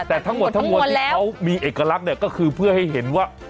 แต่ทั้งหมดทั้งมวลที่เขามีเอกลักษณ์เนี่ยก็คือเพื่อให้เห็นว่า